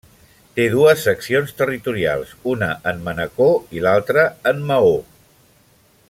Té dues Seccions Territorials: una en Manacor i altra en Maó.